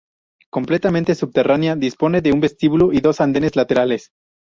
Completamente subterránea, dispone de un vestíbulo y dos andenes laterales.